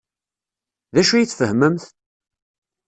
D acu ay tfehmemt?